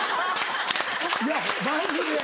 いやマジで。